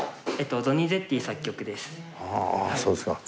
はあそうですか。